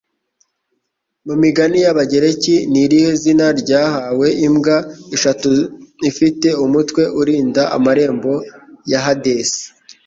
Mu migani y'Abagereki ni irihe zina ryahawe imbwa eshatu ifite umutwe urinda amarembo ya Hadesi?